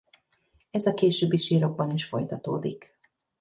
Ez a későbbi sírokban is folytatódik.